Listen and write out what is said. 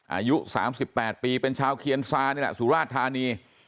อายุ๓๘ปีเป็นชาวเคียนซานี่แหละสุราชธานี